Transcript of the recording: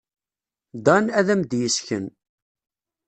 Dan ad am-d-yessken.